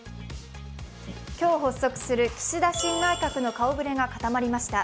今日発足する岸田新内閣の顔ぶれが決まりました。